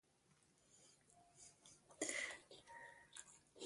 The end cars are equipped with active suspension.